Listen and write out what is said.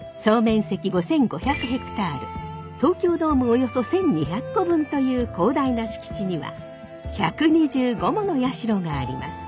東京ドームおよそ１，２００個分という広大な敷地には１２５もの社があります。